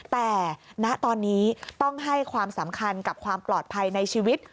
แต่ณตอนนี้ต้องให้ความสำคัญกับความปลอดภัยในชีวิต